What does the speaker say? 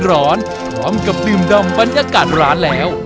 พร้อมกับดื่มดำบรรยากาศร้านแล้ว